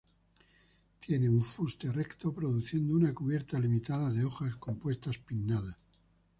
Tiene un fuste recto, produciendo una cubierta limitada de hojas compuestas pinnadas.